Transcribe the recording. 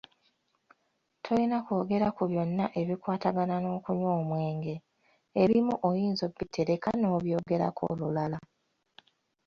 Tolina kwogera ku byonna ebikwatagana n’okunywa omwenge, ebimu oyinza obitereka n’obyogerako olulala.